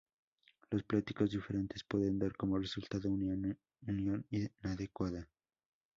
Los plásticos diferentes pueden dar como resultado una unión inadecuada.